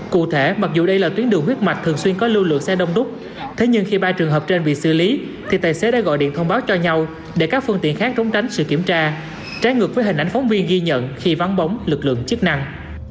cụ thể mặc dù đây là tuyến đường huyết mạch thường xuyên có lưu lượng xe đông đúc thế nhưng khi ba trường hợp trên bị xử lý thì tài xế đã gọi điện thông báo cho nhau để các phương tiện khác trốn tránh sự kiểm tra trái ngược với hình ảnh phóng viên ghi nhận khi vắng bóng lực lượng chức năng